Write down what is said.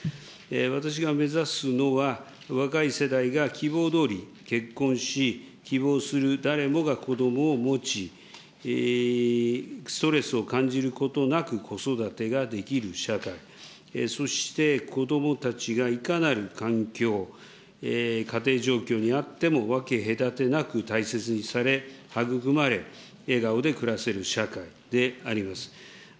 私が目指すのは若い世代が希望どおり結婚し、希望する誰もが子どもを持ち、ストレスを感じることなく子育てができる社会、そして子どもたちがいかなる環境、家庭状況にあっても、分け隔てなく大切にされ、育まれ、笑顔で暮らせる社会であります。